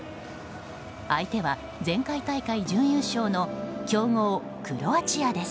相手は、前回大会準優勝の強豪クロアチアです。